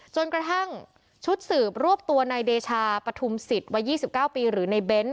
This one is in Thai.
จนกระทั่งชุดสืบรวบตัวในเดชาปฐุมศิษย์วัยยี่สิบเก้าปีหรือในเบนต์